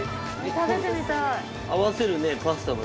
食べてみたい！